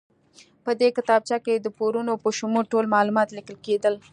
په دې کتابچه کې د پورونو په شمول ټول معلومات لیکل کېدل.